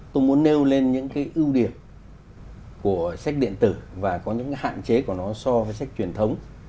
tôi muốn nêu lên những cái ưu điểm của sách điện tử và có những hạn chế của nó so với sách truyền thống